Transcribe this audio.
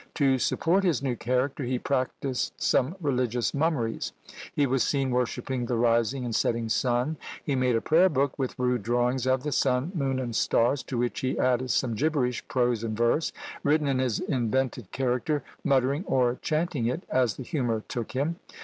To support his new character, he practised some religious mummeries; he was seen worshipping the rising and setting sun. He made a prayer book with rude drawings of the sun, moon, and stars, to which he added some gibberish prose and verse, written in his invented character, muttering or chanting it, as the humour took him.